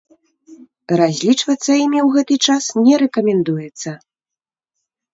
Разлічвацца імі ў гэты час не рэкамендуецца.